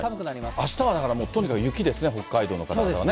あしたはだからもうとにかく雪ですね、北海道の方はね。